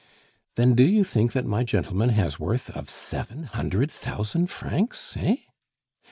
"Then do you think that my gentleman has worth of seven hundred thousand francs, eh?